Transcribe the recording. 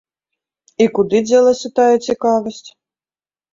І куды дзелася тая цікавасць?!